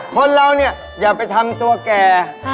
อ๋อคุณเรานี่อย่าไปทำตัวแก